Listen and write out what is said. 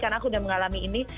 karena aku udah mengalami ini